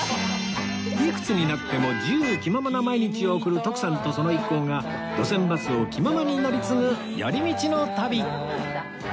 いくつになっても自由気ままな毎日を送る徳さんとその一行が路線バスを気ままに乗り継ぐ寄り道の旅